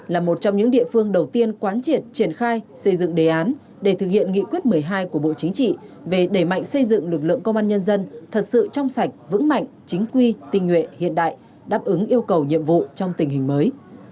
là một trong những địa phương đầu tiên quán triệt triển khai xây dựng đề án để thực hiện nghị quyết một mươi hai của bộ chính trị về đẩy mạnh xây dựng lực lượng công an nhân dân thật sự trong sạch vững mạnh chính quy tình nguyện hiện đại đáp ứng yêu cầu nhiệm vụ trong tình hình mới